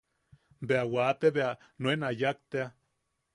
Bea wate bea nuen a yak tea.